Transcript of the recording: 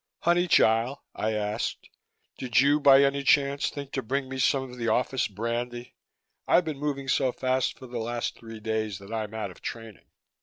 "Honeychile," I asked, "did you by any chance, think to bring me some of the office brandy? I've been moving so fast for the last three days that I'm out of training."